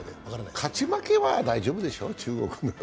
勝ち負けは大丈夫でしょう、中国なら。